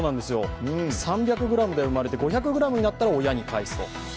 ３００ｇで生まれて５００ｇになったら親に返す。